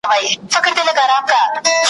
له پېزوانه اوښکي څاڅي د پاولیو جنازې دي ,